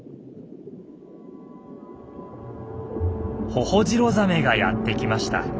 ホホジロザメがやって来ました。